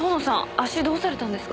足どうされたんですか？